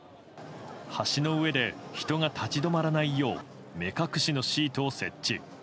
橋の上で人が立ち止まらないよう目隠しのシートを設置。